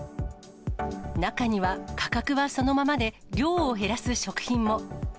中には、価格はそのままで、量を減らす食品も。